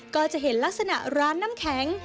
ก็จะเห็นลักษณะร้านน้ำแข็ง